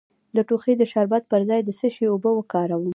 د ټوخي د شربت پر ځای د څه شي اوبه وکاروم؟